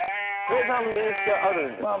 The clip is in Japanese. べーさん面識あるんですよね？